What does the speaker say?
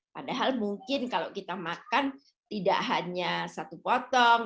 padahal mungkin kalau kita makan tidak hanya satu potong